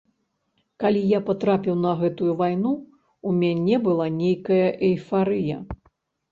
Калі я патрапіў на гэтую вайну, у мяне была нейкая эйфарыя.